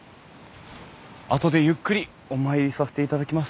後でゆっくりお参りさせていただきます。